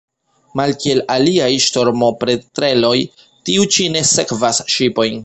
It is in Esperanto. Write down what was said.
Malkiel aliaj ŝtormopetreloj, tiu ĉi ne sekvas ŝipojn.